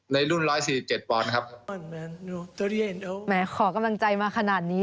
ในรุ่นร้อยสี่สิบเจ็ดปอนด์ครับแหมขอกำลังใจมาขนาดนี้